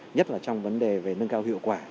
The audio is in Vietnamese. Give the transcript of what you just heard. nhất là trong vấn đề về nâng cao hiệu quả